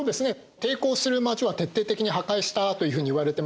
抵抗する町は徹底的に破壊したというふうにいわれてますね。